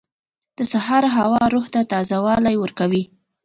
• د سهار هوا روح ته تازه والی ورکوي.